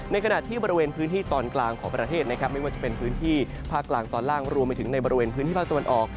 ขณะที่บริเวณพื้นที่ตอนกลางของประเทศนะครับไม่ว่าจะเป็นพื้นที่ภาคกลางตอนล่างรวมไปถึงในบริเวณพื้นที่ภาคตะวันออก